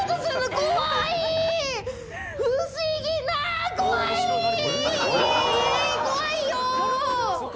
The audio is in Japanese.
怖いよ！